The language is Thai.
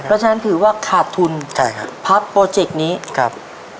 เพราะฉะนั้นถือว่าขาดทุนใช่ครับพับโปรเจกต์นี้ครับ